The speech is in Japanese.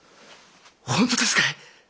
本当ですかい？